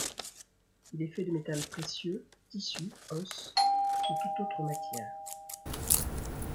Il est fait de métal précieux, tissu, os ou toute autre matière.